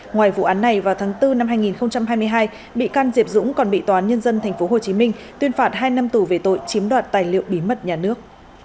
ngoài vụ án này vào tháng bốn năm hai nghìn hai mươi hai bị can diệp dũng còn bị tòa án nhân dân tp hcm tuyên phạt hai năm tù về tội chiếm đoạt tài liệu bí mật nhà nước